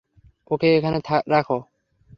ওকে এখানে রাখো।